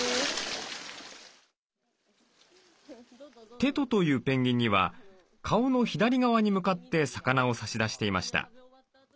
テトというペンギンには顔の左側に向かって魚を差し出していました。